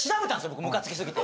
僕むかつきすぎて。